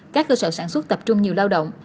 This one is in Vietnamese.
các cơ sở sản xuất tập trung nhiều lao động